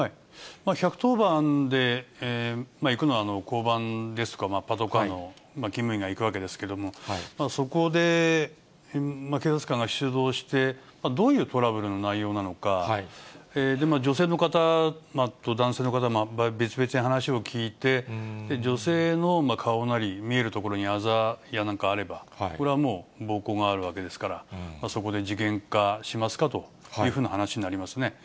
１１０番で行くのは、交番ですとか、パトカーの勤務員が行くわけですけれども、そこで警察官が出動して、どういうトラブルの内容なのか、女性の方と男性の方、別々に話を聞いて、女性の顔なり、見えるところにあざやなんかあれば、これはもう暴行があるわけですから、そこで事件化しますかというふうな話になりますね。